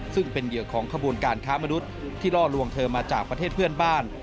ซึ่งเป็นเหยื่อของขบวนการค้ามนุษย์ที่ล่อลวงเธอมาจากประเทศเพื่อนบ้าน